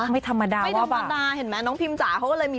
ไม่มีใครไม่รู้จักแล้ว